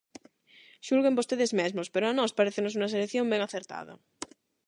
Xulguen vostedes mesmos, pero a nós parécenos unha selección ben acertada.